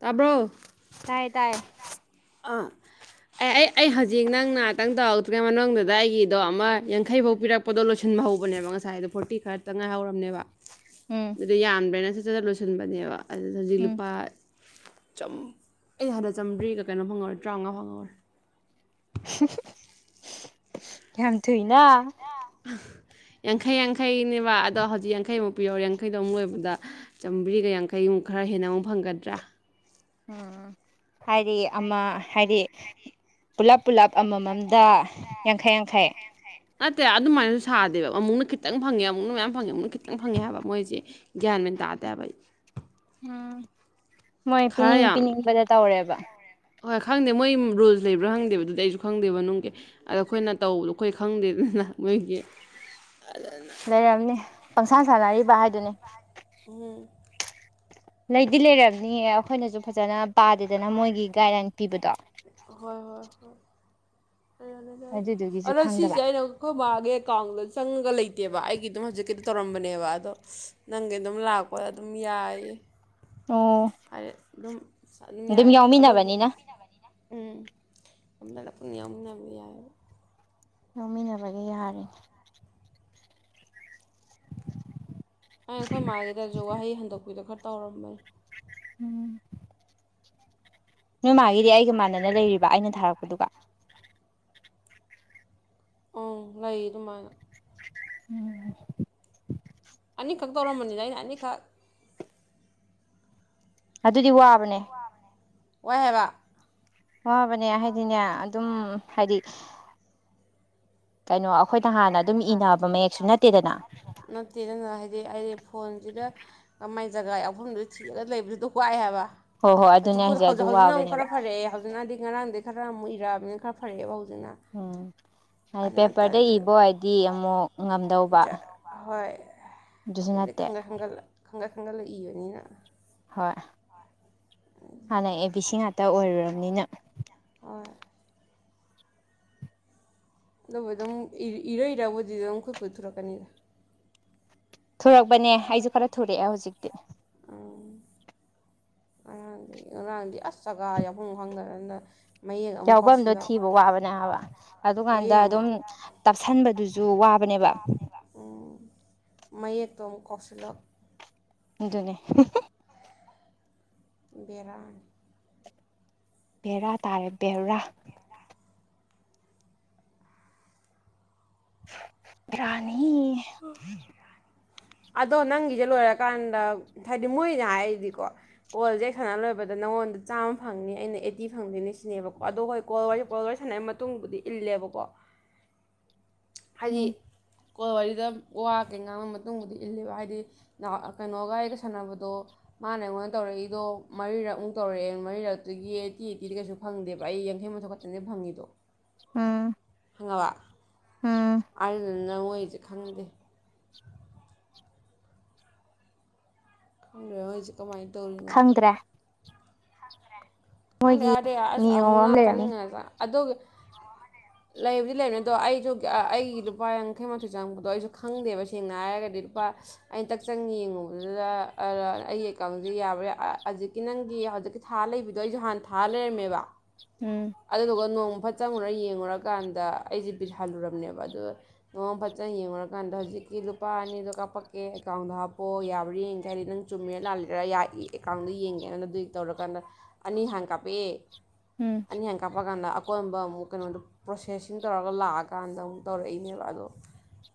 ꯇꯥꯕ꯭ꯔꯣ ꯇꯥꯏꯌꯦ ꯇꯥꯏꯌꯦ ꯑꯥ ꯑꯦ ꯑꯩ ꯑꯩ ꯍꯧꯖꯤꯛ ꯅꯪ ꯉꯍꯥꯛꯇꯪ ꯇꯧꯔꯛꯇ꯭ꯔꯤꯉꯩ ꯃꯅꯨꯡꯗꯨꯗ ꯑꯩꯒꯤꯗꯣ ꯑꯃ ꯌꯥꯡꯈꯩꯐꯧ ꯄꯤꯔꯛꯄꯗꯣ ꯂꯣꯏꯁꯤꯟꯕ ꯍꯧꯕꯅꯦꯕ ꯉꯁꯥꯏꯗꯣ ꯐꯣꯔꯇꯤ ꯈꯔꯇ ꯉꯥꯏꯍꯧꯔꯝꯅꯦꯕ ꯎꯝ ꯑꯗꯨꯗ ꯌꯥꯟꯕꯩꯅ ꯁꯤ ꯐꯖꯅ ꯂꯣꯏꯁꯤꯟꯕꯅꯦꯕ ꯑꯗꯨꯗꯖꯤꯛ ꯎꯝ ꯂꯨꯄꯥ ꯑꯩ ꯍꯥꯟꯅ ꯆꯝꯗꯔꯤꯒ ꯀꯩꯅꯣ ꯐꯪꯉꯧꯔꯦ ꯇꯔꯥꯃꯉꯥ ꯐꯪꯉꯧꯔꯦ ꯌꯥꯝ ꯊꯨꯏꯅ ꯌꯥꯡꯈꯩ ꯌꯥꯡꯈꯩꯅꯦꯕ ꯑꯗꯣ ꯍꯧꯖꯤꯛ ꯌꯥꯡꯈꯩꯃꯨꯛ ꯄꯤꯌꯧꯔꯦ ꯌꯥꯡꯈꯩꯗꯣ ꯑꯃꯨꯛ ꯂꯣꯏꯕꯗ ꯆꯥꯝꯃ꯭ꯔꯤꯒ ꯌꯥꯡꯈꯩꯃꯨꯛ ꯈꯔ ꯍꯦꯟꯅ ꯑꯃꯨꯛ ꯐꯪꯒꯗ꯭ꯔꯥ ꯑꯝ ꯍꯥꯏꯗꯤ ꯑꯃ ꯍꯥꯏꯗꯤ ꯄꯨꯜꯂꯞ ꯄꯨꯜꯂꯞ ꯑꯃꯝꯃꯝꯗ ꯌꯥꯡꯈꯩ ꯌꯥꯡꯈꯩ ꯅꯠꯇꯦ ꯑꯗꯨꯃꯥꯏꯅ ꯁꯥꯗꯦꯕ ꯑꯃꯨꯛꯅ ꯈꯤꯇꯪ ꯐꯪꯉꯦ ꯑꯃꯨꯛꯅ ꯃꯌꯥꯝ ꯐꯪꯉꯦ ꯑꯃꯨꯛꯅ ꯈꯤꯇꯪ ꯐꯪꯉꯦ ꯍꯥꯏꯕ ꯃꯣꯏꯁꯦ ꯒ꯭ꯌꯥꯟ ꯃꯦꯟ ꯇꯥꯗꯦ ꯍꯥꯏꯕ ꯑꯩ ꯎꯝ ꯃꯣꯏ ꯈꯔ ꯄꯤꯅꯤꯡ ꯌꯥꯝ ꯄꯤꯅꯤꯡꯕꯗ ꯇꯧꯔꯦꯕ ꯍꯣꯏ ꯈꯪꯗꯦ ꯃꯣꯏ ꯔꯨꯜꯁ ꯂꯩꯕ꯭ꯔꯥ ꯈꯪꯗꯦꯕ ꯑꯗꯨꯗꯤ ꯑꯩꯁꯨ ꯈꯪꯗꯦꯕ ꯅꯨꯡꯒꯤ ꯑꯗ ꯑꯩꯈꯣꯏꯅ ꯇꯧꯕꯗꯣ ꯑꯩꯈꯣꯏ ꯈꯪꯗꯦ ꯑꯗꯨꯅ ꯃꯣꯏꯒꯤ ꯂꯩꯔꯝꯅꯤ ꯄꯪꯁꯥꯟ ꯁꯥꯟꯅꯔꯤꯕ ꯍꯥꯏꯗꯨꯅꯤ ꯍꯝ ꯂꯩꯗꯤ ꯂꯩꯔꯕꯝꯅꯤꯌꯦ ꯑꯩꯈꯣꯏꯅꯁꯨ ꯐꯖꯅ ꯄꯥꯗꯦꯗꯅ ꯃꯣꯏꯒꯤ ꯒꯥꯏꯗꯂꯥꯏꯟ ꯄꯤꯕꯗꯣ ꯑꯗꯨꯗꯨꯒꯤꯁꯨ ꯈꯪꯗꯕ ꯁꯤꯈ ꯃꯥꯒꯦ ꯀꯥꯎꯪ꯭ꯂꯣꯁ ꯆꯪꯉꯒ ꯂꯩꯇꯦꯕ ꯑꯩꯒꯤ ꯑꯗꯨꯝ ꯍꯧꯖꯤꯛꯀꯤꯗꯤ ꯇꯧꯔꯝꯕꯅꯦꯕ ꯑꯗꯣ ꯅꯪꯒꯤ ꯑꯗꯨꯝ ꯂꯥꯛꯄ ꯑꯗꯨꯝ ꯌꯥꯏ ꯑꯣ ꯑꯗꯨꯝ ꯑꯗꯨꯝ ꯌꯥꯏꯑꯕ ꯑꯣ ꯎꯝ ꯎꯅꯤꯌꯟꯅꯕꯤ ꯌꯥ ꯂꯧꯃꯤꯟꯅꯕꯒꯤ ꯌꯥꯔꯤꯦꯅꯦ ꯑꯩ ꯑꯩꯈꯣꯏ ꯃꯥꯒꯤꯗꯁꯨ ꯋꯥꯍꯩ ꯍꯟꯗꯣꯛꯄꯤꯔꯣ ꯈꯔ ꯇꯧꯔꯝꯃꯦ ꯎꯝ ꯅꯣꯏ ꯃꯥꯒꯤꯗꯤ ꯑꯩꯒ ꯃꯥꯟꯅꯅ ꯂꯩꯔꯤꯕ ꯑꯩꯅ ꯊꯥꯔꯛꯄꯗꯨꯒ ꯑꯪ ꯂꯩ ꯑꯗꯨꯃꯥꯏꯅ ꯎꯝ ꯑꯅꯤꯈꯛ ꯇꯧꯔꯝꯕꯅꯤꯗ ꯑꯩꯅ ꯑꯅꯤꯈꯛ ꯑꯗꯨꯗꯤ ꯋꯥꯕꯅꯦ ꯋꯥꯏꯕ ꯋꯥꯕꯅꯦ ꯍꯥꯏꯗꯤꯅꯦ ꯑꯗꯨꯝ ꯍꯥꯏꯗꯤ ꯀꯩꯅꯣ ꯑꯩꯈꯣꯏꯅ ꯍꯥꯟꯅ ꯑꯗꯨꯝ ꯏꯅꯕ ꯃꯌꯦꯛꯁꯨ ꯅꯠꯇꯦ ꯅꯠꯇꯦꯗꯅ ꯍꯥꯏꯗꯤ ꯑꯩꯗꯤ ꯐꯣꯟꯁꯤꯗ ꯀꯃꯥꯏꯅ ꯇ ꯖꯒꯥ ꯌꯥꯎꯐꯝꯗꯨꯣ ꯊꯤꯔꯒ ꯂꯩꯕꯗꯨꯗꯣ ꯋꯥꯏ ꯍꯥꯏꯕ ꯍꯣꯏ ꯍꯣꯏ ꯑꯗꯨꯅꯦ ꯍꯧꯖꯤꯛ ꯍꯥꯏꯁꯦ ꯑꯗꯨ ꯍꯧꯖꯤꯛ ꯍꯧꯖꯤꯛꯅ ꯑꯃꯨꯛ ꯈꯔ ꯋꯥꯕꯅꯦꯕ ꯐꯔꯛꯑꯦ ꯍꯧꯖꯤꯛꯅꯗꯤ ꯉꯔꯥꯡꯗꯤꯩ ꯈꯔ ꯑꯃꯨꯛ ꯏꯔꯑꯕꯅꯤꯅ ꯈꯔ ꯐꯔꯦꯕ ꯍꯧꯖꯤꯛ ꯎꯝ ꯍꯥꯏꯗꯤ ꯄꯦꯄꯔꯗ ꯏꯕ ꯍꯥꯏꯗꯤ ꯑꯃꯨꯛ ꯉꯝꯗꯧꯕ ꯑꯗꯨꯁꯨ ꯍꯣꯏꯗꯤ ꯅꯠꯇꯦ ꯈꯟꯒꯠ ꯈꯪꯒꯠꯂ ꯈꯪꯒꯠ ꯈꯪꯒꯠꯂꯛ ꯏꯕꯅꯤꯅ ꯍꯣꯏ ꯍꯥꯟꯅ ꯑꯦ ꯕꯤ ꯁꯤ ꯉꯥꯛꯇ ꯑꯣꯏꯔꯨꯔꯕꯅꯤꯅ ꯍꯣꯏ ꯑꯗꯨꯒꯕꯨ ꯑꯗꯨꯝ ꯏꯔꯩ ꯏꯔꯕꯨꯗꯤꯗꯤ ꯑꯗꯨꯝ ꯈꯨꯠꯄꯊꯣꯔꯛꯀꯅꯤꯗ ꯊꯨꯔꯛꯄꯅꯦ ꯑꯩꯁꯨ ꯈꯔ ꯊꯨꯔꯛꯑꯦ ꯍꯧꯖꯤꯛꯇꯤ ꯎꯝ ꯉꯔꯥꯡꯗꯤ ꯉꯔꯥꯡꯗꯤ ꯑꯁ ꯖꯒꯥ ꯌꯥꯎꯐꯝꯨꯡ ꯈꯪꯅꯔꯅ ꯌꯥꯎꯐꯝꯗꯣ ꯊꯤꯕ ꯋꯥꯕꯅꯦ ꯍꯥꯏꯕ ꯑꯗꯨꯀꯥꯟꯗ ꯃꯌꯦꯛ ꯑꯃꯨꯛ ꯑꯗꯨꯝ ꯇꯞꯁꯤꯟꯕꯗꯨꯁꯨ ꯋꯥꯕꯅꯦꯕ ꯎꯝ ꯃꯌꯦꯛꯇꯣ ꯀꯥꯎꯁꯤꯂꯛ ꯑꯗꯨꯖꯅꯦ ꯔꯜ ꯕꯦꯔꯥ ꯇꯥꯔꯦ ꯕꯔꯥ ꯔꯥꯅꯤ ꯍꯝ ꯑꯗꯣ ꯅꯪꯒꯤꯁꯦ ꯂꯣꯏꯔꯀꯥꯟꯗ ꯍꯥꯏꯗꯤ ꯃꯣꯏꯅ ꯍꯥꯏꯔꯤꯗꯤꯀꯣ ꯀꯣꯜꯁꯦ ꯁꯥꯟꯅ ꯂꯣꯏꯕꯗ ꯅꯪꯉꯣꯟꯗ ꯆꯥꯝꯃ ꯐꯪꯅꯤ ꯑꯩꯅ ꯑꯩꯠꯇꯤ ꯐꯪꯗꯣꯏꯅꯦ ꯁꯤꯅꯦꯕꯀꯣ ꯑꯗꯣ ꯍꯣꯏ ꯀꯣꯜ ꯋꯥꯔꯤꯁꯦ ꯀꯣꯜ ꯋꯥꯔꯤ ꯁꯥꯟꯅꯩ ꯃꯇꯨꯡꯕꯨꯗꯤ ꯏꯜꯂꯦꯕꯀꯣ ꯍꯥꯏꯗꯤ ꯎꯝ ꯀꯣ ꯋꯥꯔꯤꯗ ꯋꯥ ꯀꯦ ꯉꯥꯡꯕ ꯃꯇꯨꯡꯕꯨꯗꯤ ꯏꯜꯂꯤꯕ ꯍꯥꯏꯗꯤ ꯀꯩꯅꯣꯒ ꯑꯩꯒ ꯁꯥꯟꯅꯕꯗꯣ ꯃꯥꯅ ꯑꯩꯉꯣꯟꯗ ꯇꯧꯔꯛꯏꯗꯣ ꯃꯔꯤꯔꯛꯃꯨꯛ ꯇꯧꯔꯛꯑꯦ ꯃꯔꯤꯔꯛꯇꯨꯒꯤ ꯑꯩꯠꯇꯤ ꯑꯩꯠꯇꯤꯗ ꯀꯩꯁꯨ ꯐꯪꯗꯦꯕ ꯑꯩ ꯌꯥꯡꯈꯩ ꯃꯊꯣꯛ ꯈꯛꯇꯅꯦꯗꯤ ꯐꯪꯉꯤꯗꯣ ꯎꯝ ꯐꯪꯉꯕ ꯎꯝ ꯑ ꯅ ꯑꯣꯏꯁꯦ ꯈꯪꯗꯦ ꯈꯪꯗꯦ ꯃꯣꯏꯒꯤꯁꯦ ꯀꯃꯥꯏꯅ ꯇꯧꯔꯤꯅꯣꯗꯤ ꯈꯪꯗ꯭ꯔꯦ ꯑꯗ ꯃꯣꯏꯒꯤ ꯌꯥꯗꯦ ꯅꯤꯌꯣꯝ ꯑꯃ ꯃꯨꯅꯅꯥꯜ ꯂꯩꯔꯝꯅꯤ ꯇꯅꯤꯡꯉ ꯑꯗꯨ ꯑꯗꯨ ꯂꯩꯕꯨꯗꯤ ꯂꯩꯕꯅꯤ ꯑꯗꯣ ꯑꯩꯁꯨ ꯑꯩꯒꯤ ꯂꯨꯄꯥ ꯌꯥꯡꯈꯩ ꯃꯥꯊꯣꯏ ꯆꯪꯉꯛꯄꯗꯣ ꯑꯩꯁꯨ ꯈꯪꯗꯦꯕ ꯁꯦꯡꯅ ꯍꯥꯏꯔꯒꯗꯤ ꯂꯨꯄꯥ ꯑꯩꯅ ꯇꯛ ꯆꯪ ꯌꯦꯡꯉꯨꯕꯗꯨꯗ ꯑꯩꯒꯤ ꯑꯦꯀꯥꯎꯟꯁꯤ ꯌꯥꯕ꯭ꯔꯥ ꯍꯧꯖꯤꯛꯀꯤ ꯅꯪꯒꯤ ꯍꯧꯖꯤꯛꯀꯤ ꯊꯥ ꯂꯩꯕ ꯑꯗꯣ ꯑꯩꯁꯨ ꯍꯥꯟꯅ ꯊꯥ ꯂꯩꯔꯝꯃꯦꯕ ꯎꯝ ꯑꯗꯨꯗꯨꯒ ꯅꯣꯡ ꯐꯠ ꯆꯪꯉꯨꯔ ꯌꯦꯡꯉꯨꯔꯀꯥꯟꯗ ꯑꯩꯁꯦ ꯕꯤꯜ ꯍꯜꯂꯨꯔꯕꯅꯦꯕ ꯑꯗꯨ ꯅꯃ ꯐꯖꯅ ꯌꯦꯡꯉꯨꯔꯀꯥꯟꯗ ꯍꯧꯖꯤꯛꯀꯤ ꯂꯨꯄꯥ ꯑꯅꯤꯗꯣ ꯀꯥꯞꯄꯛꯀꯦ ꯑꯦꯀꯥꯎꯟꯗꯣ ꯍꯥꯞꯄꯛꯑꯣ ꯌꯥꯕ꯭ꯔꯥ ꯌꯦꯡ ꯀ ꯍꯥꯏꯗꯤ ꯅꯪ ꯆꯨꯝꯃꯤꯔꯥ ꯂꯥꯜꯂꯤꯔꯥ ꯌꯥꯏ ꯑꯦꯀꯥꯎꯟꯗꯣ ꯌꯦꯡꯉꯦꯅ ꯑꯗꯨꯏꯒꯤ ꯇꯧꯔꯀꯥꯟꯗ ꯑꯅꯤ ꯍꯥꯟꯅ ꯀꯥꯞꯞꯛꯑꯦ ꯎꯝ ꯑꯅꯤ ꯍꯥꯟꯅ ꯀꯥꯞꯄꯛꯀꯥꯟꯗ ꯑꯀꯣꯟꯕ ꯑꯃꯨꯛ ꯀꯩꯅꯣꯗꯣ ꯄ꯭ꯔꯣꯁꯦꯁꯤꯡ ꯇꯧꯔꯒ ꯂꯥꯛꯑꯀꯥꯟꯗ ꯑꯃꯨꯛ ꯇꯧꯔꯛꯏꯅꯦꯕ ꯑꯗꯣ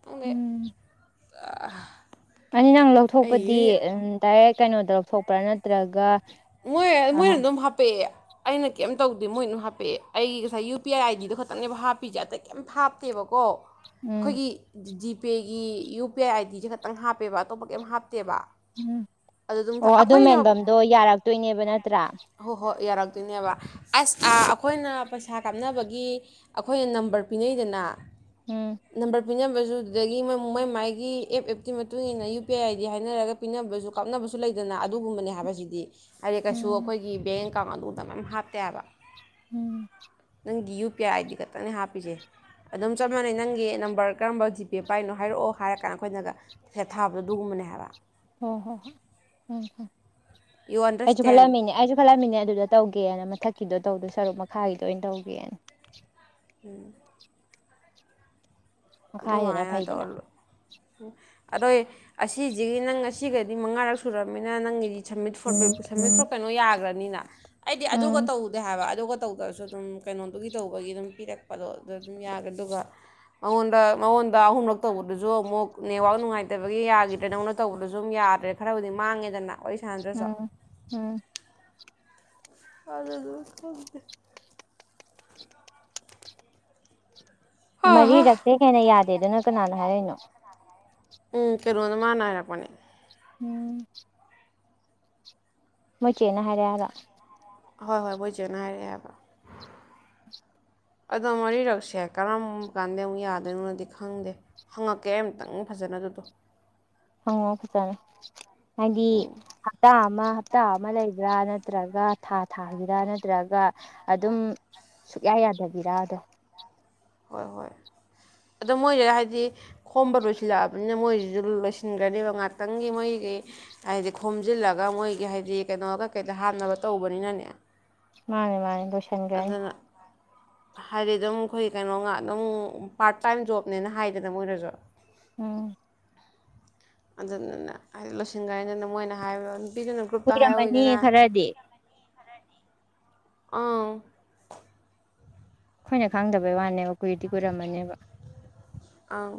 ꯈꯡꯗꯦ ꯎꯝ ꯑꯥ ꯑꯅꯤ ꯅꯪ ꯂꯧꯊꯣꯛꯄꯗꯤ ꯗꯥꯏꯔꯦꯛ ꯀꯩꯅꯣ ꯇꯧꯔ ꯊꯣꯛꯄ꯭ꯔꯥ ꯅꯠꯇ꯭ꯔꯒ ꯃꯣꯏ ꯑ ꯃꯣꯏꯅ ꯑꯗꯨꯝ ꯍꯥꯄꯛꯑꯦ ꯑꯩꯅ ꯀꯩꯝ ꯇꯧꯗꯦ ꯃꯣꯏꯅꯝ ꯍꯥꯞꯄꯛꯑꯦ ꯑꯩꯒꯤ ꯉꯁꯥꯏ ꯌꯨ ꯄꯤ ꯑꯥꯏ ꯑꯥꯏ ꯗꯤꯗꯣ ꯈꯛꯇꯪꯅꯦꯕ ꯍꯥꯞꯄꯤꯁꯦ ꯑꯇꯩ ꯀꯩꯝꯇ ꯍꯥꯞꯇꯦꯕꯀꯣ ꯎꯝ ꯑꯩꯈꯣꯏꯒꯤ ꯖꯤ ꯄꯦꯒꯤ ꯌꯨ ꯄꯤ ꯑꯥꯏ ꯑꯥꯏꯗꯤꯁꯦ ꯈꯛꯇꯪ ꯍꯥꯞꯄꯦꯕ ꯑꯇꯣꯞꯄ ꯀꯩꯝ ꯍꯥꯞꯇꯦꯕ ꯎꯝ ꯑꯗꯨ ꯑꯗꯨꯝ ꯑꯣ ꯑꯗꯨ ꯑꯩꯈꯣꯏꯅ ꯃꯦꯟꯐꯝꯗꯣ ꯌꯥꯔꯛꯇꯣꯏꯅꯦꯕ ꯅꯠꯇ꯭ꯔꯥ ꯑꯗꯨꯏꯅꯦꯕ ꯑꯁ ꯑꯩꯈꯣꯏꯅ ꯄꯩꯁꯥ ꯀꯥꯞꯅꯕꯒꯤ ꯑꯩꯈꯣꯏꯅ ꯅꯝꯕꯔ ꯄꯤꯅꯩꯗꯅ ꯎꯝ ꯅꯝꯕꯔ ꯄꯤꯅꯕꯁꯨ ꯑꯗꯨꯗꯒꯤ ꯃꯥꯏ ꯃꯥꯏꯒꯤ ꯑꯦꯞ ꯑꯦꯞꯀꯤ ꯃꯇꯨꯡ ꯏꯟꯅ ꯌꯨ ꯄꯤ ꯑꯥꯏ ꯑꯥꯏꯗꯤ ꯍꯥꯏꯅꯔꯒ ꯄꯤꯅꯕꯁꯨ ꯀꯞꯅꯕꯁꯨ ꯂꯩꯗꯅ ꯑꯗꯨ ꯑꯗꯨꯒꯨꯝꯕꯅꯦ ꯍꯥꯏꯕꯁꯤꯗꯤ ꯍꯥꯏꯗꯤ ꯀꯩꯁꯨ ꯎꯝ ꯑꯩꯈꯣꯏꯒꯤ ꯕꯦꯡ ꯀꯥꯉ ꯑꯗꯨꯗꯅ ꯍꯥꯇꯦꯕ ꯎꯝ ꯅꯪꯒꯤ U P I I D ꯈꯛꯇꯪꯅꯦ ꯍꯥꯞꯄꯤꯁꯦ ꯑꯗꯨꯝ ꯆꯞ ꯃꯥꯟꯅꯩ ꯅꯪꯒꯤ ꯅꯝꯕꯔ ꯀꯔꯝꯕ ꯖꯤꯄꯦ ꯄꯥꯏꯔꯤꯅꯣ ꯍꯥꯏꯔꯛꯑꯣ ꯍꯥꯏꯔ ꯀꯥꯟꯗ ꯑꯩꯈꯣꯏꯅꯒꯦ ꯊꯥꯕꯗꯣ ꯑꯗꯨꯒꯒꯨꯝꯕꯅꯦ ꯍꯥꯏꯕ ꯍ ꯍꯣ ꯍ ꯎꯝ ꯍ ꯌꯨ ꯑꯩꯁꯨ ꯑꯟꯗꯔꯁꯇꯦꯟ ꯈꯜꯂꯝꯃꯤꯅꯦ ꯑꯩꯁꯨ ꯈꯜꯂꯝꯃꯤꯅꯦ ꯑꯗꯨꯗ ꯇꯧꯒꯦꯅ ꯃꯊꯛ ꯀꯗꯣ ꯇꯧꯗꯣ ꯁꯔꯨꯛ ꯃꯈꯥꯒꯤꯗꯣ ꯑꯣꯏꯅ ꯇꯧꯒꯦꯅ ꯎꯝ ꯃꯈꯥꯏꯗꯅ ꯐꯩꯗꯅ ꯑꯗꯣꯏ ꯑꯁꯤꯖꯤꯒꯤ ꯅꯪ ꯑꯁꯤꯒꯗꯤ ꯃꯉꯥꯔꯛ ꯁꯨꯔꯃꯝꯅꯤꯅ ꯅꯪꯒꯤꯗꯤ ꯁꯃꯤꯠ ꯐꯣ ꯁꯃꯤꯠ ꯐꯣꯔ ꯀꯩꯅꯣ ꯌꯥꯒ꯭ꯔꯅꯤꯅ ꯑꯩꯗꯤ ꯑꯗꯨꯒ ꯎꯝ ꯇꯧꯗꯦ ꯍꯥꯏꯕ ꯑꯗꯨꯒ ꯇꯧꯗ꯭ꯔꯁꯨ ꯑꯗꯨꯝ ꯀꯩꯅꯣꯗꯨꯒꯤ ꯇꯧꯕꯒꯤ ꯑꯗꯨꯝ ꯄꯤꯔꯛꯄꯗꯣ ꯑꯗꯨ ꯑꯗꯨꯝ ꯌꯥꯒ꯭ꯔꯗꯨꯕ ꯃꯉꯣꯟ ꯗ ꯅꯉꯣꯟꯗ ꯑꯍꯨꯝꯂꯛ ꯇꯧꯕꯗꯨꯁꯨ ꯑꯃꯨꯛ ꯅꯦꯠꯋꯥꯛ ꯅꯨꯡꯉꯥꯏꯇꯕꯒꯤ ꯌꯥꯒꯤꯗ꯭ꯔꯦ ꯅꯉꯣꯟꯗ ꯇꯧꯕꯗꯨꯁꯨ ꯑꯗꯨꯝ ꯌꯥꯗ꯭ꯔꯦ ꯈꯔꯕꯨꯗꯤ ꯃꯥꯡꯉꯦꯗꯅ ꯋꯥꯔꯤ ꯁꯥꯟꯅꯗ꯭ꯔꯁꯨ ꯎꯝ ꯎꯝ ꯑꯗ ꯗꯨꯝ ꯈꯪꯗꯦ ꯃꯔꯤꯔꯛꯇꯩ ꯍꯦꯟꯅ ꯌꯥꯗꯦꯗꯨꯅ ꯀꯅꯥꯅ ꯍꯥꯏꯔꯏꯅꯣ ꯎꯝ ꯀꯩꯔꯣꯗ ꯃꯥꯅꯥ ꯍꯥꯏꯔꯛꯄꯅꯦ ꯎꯝ ꯃꯣꯏ ꯆꯦ ꯅ ꯍꯥꯏꯔꯛꯑꯦ ꯍꯥꯏꯔꯣ ꯍꯣꯏ ꯍꯣꯏ ꯃꯣꯏꯆꯦꯅ ꯍꯥꯏꯔꯛꯑꯦ ꯍꯥꯏꯕ ꯑꯗꯣ ꯃꯔꯤꯔꯛꯁꯦ ꯀꯔꯝ ꯀꯥꯟꯗꯩ ꯑꯃꯨꯛ ꯌꯥꯗꯣꯏꯅꯣꯗꯤ ꯈꯪꯗꯦ ꯍꯪꯉꯛꯀꯦ ꯑꯝꯇꯪ ꯐꯖꯅ ꯑꯗꯨꯗꯣ ꯍꯪꯉꯣ ꯐꯖꯅ ꯍꯥꯏꯗꯤ ꯍꯞꯇꯥ ꯑꯃ ꯍꯞꯇꯥ ꯑꯃ ꯂꯩꯕ꯭ꯔꯥ ꯅꯠꯇ꯭ꯔꯒ ꯊꯥ ꯊꯥꯒꯤꯔꯥ ꯅꯠꯇ꯭ꯔꯒ ꯑꯗꯨꯝ ꯁꯨꯛꯌꯥ ꯌꯥꯗꯕꯤꯔꯥ ꯑꯗꯣ ꯍꯣꯏ ꯍꯣꯏ ꯑꯗꯣ ꯃꯣꯏꯁꯦ ꯍꯥꯏꯗꯤ ꯈꯣꯝꯕ ꯂꯣꯏꯁꯤꯜꯂꯛꯑꯕꯅꯤꯅ ꯃꯣꯏꯖꯤꯁꯨ ꯂꯣꯏꯁꯤꯟꯒ꯭ꯔꯅꯦꯕ ꯉꯥꯛꯇꯪꯒꯤ ꯃꯣꯏꯒꯤ ꯍꯥꯏꯗꯤ ꯈꯣꯝꯖꯤꯜꯂꯒ ꯃꯣꯏꯒꯤ ꯍꯥꯏꯗꯤ ꯀꯩꯅꯣꯒꯀꯩꯗ ꯍꯥꯞꯅꯕ ꯇꯧꯕꯅꯤꯅꯅꯦ ꯃꯥꯅꯦ ꯃꯥꯅꯦ ꯂꯣꯏꯁꯟꯒ꯭ꯔꯅꯤ ꯑꯗꯨꯅ ꯍꯥꯏꯗꯤ ꯑꯗꯨ ꯑꯩꯈꯣꯏ ꯀꯩꯅꯣ ꯉꯥ ꯑꯗꯨꯝ ꯄꯥꯔꯠ ꯇꯥꯏꯝ ꯖꯣꯕꯅꯦꯅ ꯍꯥꯏꯗꯅ ꯃꯣꯏꯅꯁꯨ ꯑꯝ ꯑꯗꯨꯗꯨꯅ ꯍꯥꯏꯗꯤ ꯂꯣꯏꯁꯤꯟꯒ꯭ꯔꯅꯤꯅ ꯃꯣꯏꯅ ꯍꯥꯏꯕ ꯅꯨꯄꯤꯗꯨꯅ ꯒ꯭ꯔꯨꯞꯇ ꯀꯨꯏꯔꯝꯃꯅꯤ ꯍꯥꯏꯍꯧꯋꯤꯗꯅ ꯈꯔꯗꯤ ꯑꯪ ꯑꯩꯈꯣꯏꯅ ꯈꯪꯗꯕꯩ ꯋꯥꯅꯦꯕ ꯀꯨꯏꯗꯤ ꯀꯨꯏꯔꯝꯃꯅꯦꯕ ꯑꯪ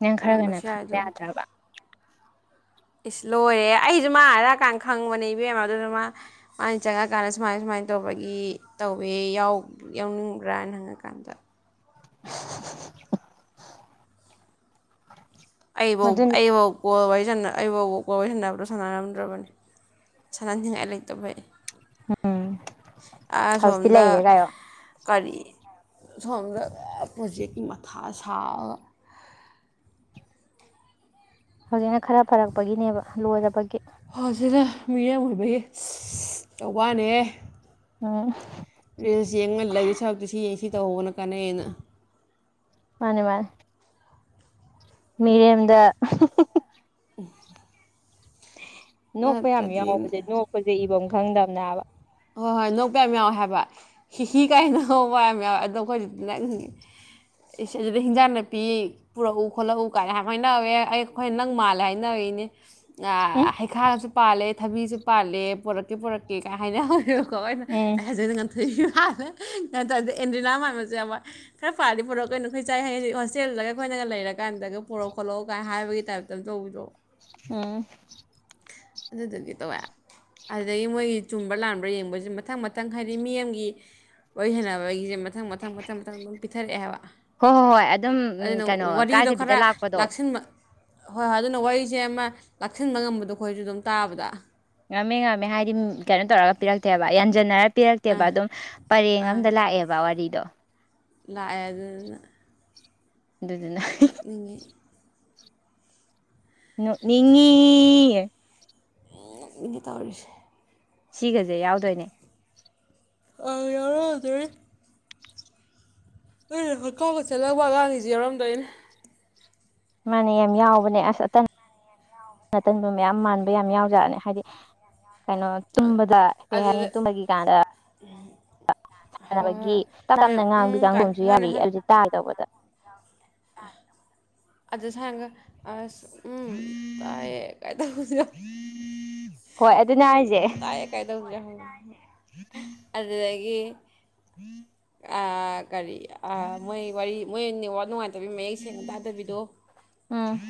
ꯅꯪ ꯈꯔ ꯉꯟꯅ ꯀꯨꯏꯔꯝꯕꯁꯨ ꯌꯥꯏ ꯈꯪꯕ ꯑꯗꯨꯕꯨꯗꯤ ꯌꯥꯗ꯭ꯔꯕ ꯏꯁ ꯂꯣꯏꯔꯦ ꯑꯩꯁꯨ ꯃꯥ ꯍꯥꯏꯔꯛꯑꯀꯥꯟꯗ ꯈꯪꯕꯅꯦ ꯏꯕꯦꯝꯃ ꯑꯗꯨꯅ ꯃꯥ ꯃꯥꯅ ꯆꯪꯉꯛꯀꯥꯟꯗ ꯁꯨꯃꯥꯏ ꯁꯨꯃꯥꯏꯅ ꯇꯧꯕꯒꯤ ꯇꯧꯋꯦ ꯌꯥꯎꯅꯤꯡꯕ꯭ꯔꯅ ꯍꯪꯉꯀꯥꯟꯗ ꯑꯟꯏꯟꯇꯦꯜꯂꯤꯖꯤꯕꯜ ꯑꯩꯕꯧ ꯑꯩꯕꯧ ꯀꯣꯜ ꯋꯥꯔꯤ ꯑꯩꯕꯨ ꯀꯣꯜ ꯋꯥꯔꯤ ꯁꯟꯅꯕꯗꯣ ꯁꯥꯟꯅꯔꯝꯗ꯭ꯔꯕꯅꯤ ꯁꯥꯟꯅꯍꯟꯅꯤꯡꯉꯥꯏ ꯂꯩꯇꯕꯩ ꯍꯧꯖꯤꯛꯇꯤ ꯑꯁꯣꯝꯗ ꯂꯩꯔꯦ ꯀꯥꯏꯌꯣ ꯀꯔꯤ ꯁꯣꯝꯗ ꯍꯦ ꯄ꯭ꯔꯣꯖꯦꯛꯀꯤ ꯃꯊꯥ ꯁꯥꯕꯒ ꯍꯧꯖꯤꯛꯅ ꯈꯔ ꯐꯔꯛꯄꯒꯤꯅꯦꯕ ꯂꯣꯏꯔꯕꯒꯤ ꯍꯧꯖꯤꯛꯅ ꯃꯤꯔꯦꯝ ꯑꯣꯏꯕꯒꯤ ꯇꯧꯕ꯭ꯨꯋꯥ ꯅꯤꯍꯦ ꯑꯝ ꯔꯤꯜꯁ ꯌꯦꯡꯉ ꯂꯩꯗꯣꯏ ꯁꯔꯨꯛꯇꯤ ꯁꯤ ꯌꯦꯡ ꯁꯤ ꯇꯧꯍꯧꯕꯅ ꯀꯥꯟꯅꯩ ꯌꯦꯅ ꯃꯥꯅꯦ ꯃꯥꯅꯦ ꯃꯤꯔꯦꯝꯗ [inaudible] ꯅꯣꯛꯄ ꯌꯥꯝ ꯅꯠꯇ꯭ꯔꯗꯤ ꯌꯥꯎꯕꯁꯦ ꯅꯣꯛꯄꯁꯦ ꯏꯕꯝ ꯈꯪꯗꯝꯕꯅꯦꯕ ꯍꯣꯏ ꯍꯣꯏ ꯅꯣꯛꯄ ꯌꯥꯝ ꯌꯥꯎꯋꯦ ꯍꯥꯏꯕ ꯍꯤꯍꯤ ꯀꯥꯏꯅ ꯅꫭꯛꯄ ꯋꯥꯅꯤꯗ ꯑꯗꯣ ꯑꯩꯈꯣꯏꯗꯤ ꯅꯪ ꯑꯁꯤꯁꯤꯗ ꯍꯤꯟꯖꯥꯡ ꯅꯥꯄꯤ ꯄꯨꯔꯛꯎ ꯈꯣꯠꯂꯛꯎ ꯀꯥꯏꯅ ꯍꯥꯏꯅꯧꯋꯦ ꯑꯩ ꯑꯩꯈꯣꯏ ꯅꯪ ꯃꯥꯜꯂꯦ ꯍꯥꯏꯅ ꯏꯅꯦ ꯎꯝ ꯑ ꯍꯩꯈꯥ ꯄꯥꯜꯂꯦ ꯊꯕꯤꯁꯨ ꯄꯥꯜꯂꯦ ꯄꯣꯔꯛꯀꯦ ꯄꯣꯔꯛꯀꯦ ꯀꯥꯏ ꯍꯥꯏꯅ ꯀꯋꯥꯏꯅ ꯎꯝ ꯑꯩ ꯍꯥꯏꯖꯣꯏꯅ ꯉꯥꯟ ꯊꯣꯏꯏ ꯅꯠꯇ꯭ꯔꯗꯤ ꯑꯦꯟꯗ꯭ꯔꯤꯅꯥ ꯃꯥꯟꯕꯁꯦ ꯈꯔ ꯐꯥꯔꯗꯤ ꯄꯨꯣꯔꯛꯑꯣ ꯀꯩꯅꯣ ꯑꯩꯈꯣꯏꯁꯥꯏ ꯍꯌꯦꯡ ꯍꯣꯁꯇꯦꯜꯗꯒ ꯑꯩꯈꯣꯏꯅꯒ ꯂꯩꯔꯀꯥꯟꯗꯒ ꯄꯨꯔꯛꯑꯣ ꯈꯣꯠꯂꯛꯑꯣ ꯀꯥꯏꯅ ꯍꯥꯏꯕꯒꯤ ꯇꯥꯏꯞꯇ ꯇꯧꯕꯤꯔꯛꯑꯣ ꯎꯝ ꯑꯗꯨꯗꯒꯤ ꯇꯧꯋꯦ ꯑꯗꯨꯗꯒꯤ ꯃꯣꯏ ꯆꯨꯝꯕ ꯂꯥꯟ ꯌꯦꯡꯕꯁꯦ ꯃꯊꯪ ꯃꯊꯪ ꯍꯥꯏꯗꯤ ꯃꯤꯌꯥꯝꯒꯤ ꯑꯣꯏꯍꯟꯅꯕꯒꯤꯁꯦ ꯃꯊꯪ ꯃꯊꯪ ꯃꯊꯪ ꯃꯊꯪ ꯑꯗꯨꯝ ꯄꯤꯊꯔꯛꯑꯦ ꯍꯥꯏꯕ ꯍꯣꯏ ꯍꯣꯏ ꯍꯣꯏ ꯑꯗꯨꯝ ꯑꯗꯨꯅ ꯀꯩꯅꯣ ꯋꯥꯔꯤꯗꯣ ꯀꯥꯏꯗꯕꯤꯗ ꯈꯔ ꯂꯥꯛꯄꯗꯣ ꯂꯥꯛꯁꯤꯟꯕ ꯍꯣꯏ ꯍꯣꯏ ꯑꯗꯨꯅ ꯋꯥꯔꯤꯁꯦ ꯑꯃ ꯂꯥꯛꯁꯤꯟꯕ ꯉꯝꯕꯗꯣ ꯑꯩꯈꯣꯏꯁꯨ ꯑꯗꯨꯝ ꯇꯥꯕꯗ ꯉꯝꯃꯦ ꯉꯝꯃꯦ ꯍꯥꯏꯗꯤ ꯀꯩꯅꯣ ꯇꯧꯔꯒ ꯄꯤꯔꯛꯇꯦꯕ ꯌꯥꯟꯁꯤꯟꯅꯔ ꯄꯤꯔꯛꯇꯦꯕ ꯑꯥ ꯑꯗꯨꯝ ꯄꯔꯦꯡ ꯑꯃꯗ ꯂꯥꯛꯑꯦꯕ ꯋꯥꯔꯤ ꯗ ꯂꯥꯛꯑ ꯑꯗꯨ ꯑꯗꯨꯗꯨꯅ ꯅꫭꯛ ꯅꯤꯡꯉꯤ ꯃꯤꯅ ꯇꯧꯔꯤꯁꯦ ꯁꯤꯒꯁꯦ ꯌꯥꯎꯗꯣꯏꯅꯦ ꯑ ꯌꯥꯧꯔꯣ ꯑꯗꯨꯖꯔꯦ ꯍ ꯍꯠ ꯀꯥꯎꯒ ꯆꯠꯂꯕ ꯉꯥꯡꯂꯤꯁꯤ ꯌꯥꯎꯔꯝꯗꯣꯏꯅꯦ ꯃꯥꯅꯦ ꯌꯥꯝ ꯌꯥꯎꯕꯅꯦ ꯑꯁ ꯑꯇꯟ ꯑꯇꯟꯕ ꯃꯌꯥꯝ ꯃꯥꯟꯕ ꯌꯥꯝ ꯌꯥꯎꯖꯠꯅꯦ ꯍꯥꯏꯗꯤ ꯀꯩꯅꯣ ꯇꯨꯝꯕꯗ ꯀꯩ ꯑꯗꯨꯗ ꯍꯥꯏꯅꯤ ꯇꯨꯝꯕꯒꯤ ꯀꯥꯟꯗ ꯍꯣꯏ ꯍꯣꯏ ꯁꯥꯟꯅꯕꯒꯤ ꯍꯣꯏ ꯑꯩꯅ ꯇꯔꯝꯅ ꯉꯥꯡꯕꯤ ꯎꯝ ꯀꯥꯏ ꯀꯥꯡꯈꯨꯝꯁꯨ ꯌꯥꯔꯤꯑ ꯍꯧꯖꯤꯠ ꯇꯥꯒꯗꯧꯕꯗ ꯑꯗꯨꯗ ꯁꯥꯏꯒ ꯎꯝ ꯇꯥꯏꯌꯦ ꯀꯥꯏꯗꯁꯤꯔꯣ ꯍꯣꯏ ꯑꯗꯨꯅꯦ ꯎꯝ ꯍꯥꯏꯁꯦ ꯇꯥꯏ ꯀꯥꯏꯗ ꯇꯧꯕꯥ ꯌꯥꯍꯧ ꯑꯗꯨ ꯗꯒꯤ ꯎꯝ ꯀꯔꯤ ꯑ ꯃꯣꯏ ꯋꯥꯔꯤ ꯃꯣꯏꯅꯤ ꯋꯥꯅꯨꯡꯉ ꯌꯥꯕꯤ ꯃꯌꯦꯛ ꯁꯦꯡꯅ ꯇꯥꯗꯕꯤꯗꯣ ꯎꯝ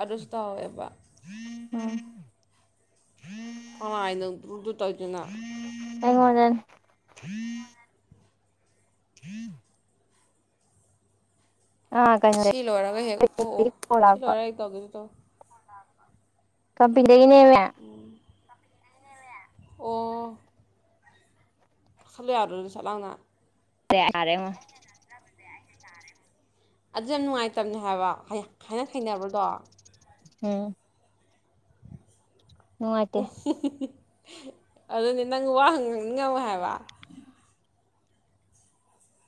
ꯑꯗꯨꯁꯨ ꯇꯧꯋꯦꯕ ꯎꯝ ꯀꯅꯥꯏꯗ ꯗꯨ ꯗꯨ ꯇꯧꯗꯨꯅ ꯍꯝ ꯍꯝ [unintelligible] ꯑꯥ ꯁꯤ ꯀꯩꯅꯣꯗꯒꯤ ꯂꯣꯏꯔꯒ ꯍꯦꯛ ꯑꯣ ꯑꯣ ꯐꯣꯟ ꯁꯤ ꯂꯥꯛꯄ ꯂꯣꯏꯔꯒ ꯍꯦꯛ ꯇꯧꯒꯦ ꯇꯧ ꯀꯕꯤ ꯗꯩꯅꯦꯃꯦ ꯑꯣ ꯁꯠꯂꯨ ꯌꯥꯗ꯭ꯔꯣ ꯅꯪꯖꯨ [unintelligible] ꯁꯠ ꯂꯥꯎꯅ ꯇꯌꯥꯔꯦꯉꯣ [unintelligible] ꯑꯗꯨ ꯌꯥꯝ ꯅꯨꯡꯉꯥꯏꯇꯝꯅꯦ ꯍꯥꯏꯕ ꯍꯥꯏꯅ ꯁꯤꯡꯅꯕꯗꯣ [unintelligible] ꯍꯝ inaudible ꯏ ꯍꯤ ꯍꯤ ꯍꯤ ꯑꯗꯨꯅꯦ ꯅꯪ ꯋꯥꯍꯪꯉꯉꯝꯃꯣꯏ [unintelligible] ꯍꯥꯏꯕ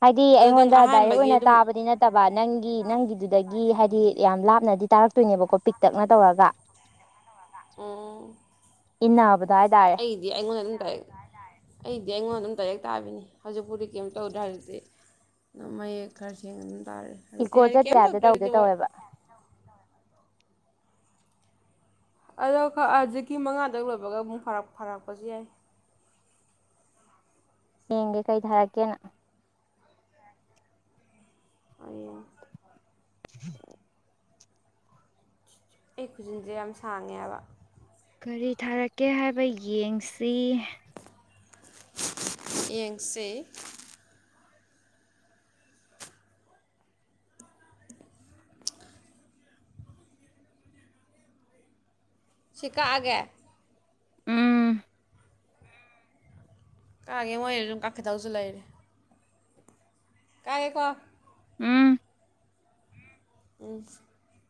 ꯍꯥꯏꯗꯤ ꯑꯗꯣ ꯅꯪ ꯑꯩꯉꯣꯟꯗ ꯗꯥꯏꯔꯦꯛ ꯑꯍꯥꯟꯕꯒꯤ ꯑꯣꯏꯅ ꯑꯗꯨꯝ ꯇꯥꯕꯗꯤ ꯅꯠꯇꯕ ꯅꯪꯒꯤ ꯅꯪꯒꯤ ꯑꯗꯨꯗꯒꯤ ꯍꯥꯏꯗꯤ ꯌꯥꯝ ꯂꯥꯞꯅꯗꯤ ꯇꯥꯔꯛꯇꯣꯏꯅꯦꯕꯀꯣ ꯄꯤꯛꯇꯛꯅ ꯇꯧꯔꯒ ꯑꯣ ꯏꯟꯅꯥꯕ ꯑꯩꯗꯤ ꯑꯩꯉꯣꯟꯗ ꯑꯗꯨꯝ ꯗꯥꯑꯦ [unintelligible] ꯑꯩꯗꯤ ꯑꯩꯉꯣꯟꯗ ꯑꯗꯨꯝ ꯗꯥꯏꯔꯦꯛ ꯇꯥꯕꯤꯅꯤ ꯍꯧꯖꯤꯛꯄꯨꯗꯤ ꯀꯩꯝ ꯇꯧꯗꯦ ꯍꯥꯏꯔꯗꯤ ꯃꯌꯦꯛ ꯈꯔ ꯁꯦꯡꯅ ꯇꯔꯦ ꯍꯧꯖꯤꯛꯇꯤ ꯏꯀꯣ ꯑꯩ ꯀꯩꯝ ꯆꯠꯄ ꯍꯥꯏꯕꯗ ꯇꯧꯗ꯭ꯔꯦ ꯇꯧꯗꯣ ꯍꯧꯖꯤꯛꯇꯤ ꯋꯣꯏ ꯇꯧꯋꯦꯕ ꯑꯗꯣ ꯈꯔ ꯍꯧꯖꯤꯛꯀꯤ ꯃꯉꯥꯗ ꯂꯣꯏꯕꯒ ꯑꯃꯨꯛ ꯐꯥꯔꯛ ꯐꯥꯔꯛꯄꯁꯨ ꯌꯥꯏ ꯌꯦꯡꯒꯦ ꯀꯩ ꯊꯥꯔꯛꯀꯦꯅ ꯑ [unintelligible] ꯎ [inaudible] ꯑꯩ ꯈꯨꯖꯤꯟꯁꯦ ꯌꯥꯝ ꯁꯥꯡꯉꯦꯕ ꯀꯔꯤ ꯊꯥꯔꯛꯀꯦ ꯍꯥꯏꯕ ꯌꯦꯡꯁꯤ ꯌꯦꯡ ꯁꯤ ꯁꯤ ꯀꯥꯛꯑꯒꯦ ꯎꯝ ꯀꯛꯑꯒꯦ ꯃꯣꯏꯅꯁꯨ ꯑꯗꯨꯝ ꯀꯛꯈꯤꯗꯧꯁꯨ ꯂꯩꯔꯦ ꯀꯛꯑꯒꯦꯀꯣ ꯎꯝ ꯎꯝ [inaudible]